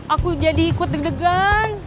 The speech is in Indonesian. aku jadi ikut deg degan